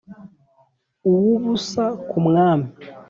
Uw ubusa ku mwami